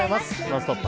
「ノンストップ！」